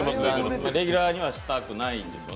レギュラーにはしたくないんでしょうね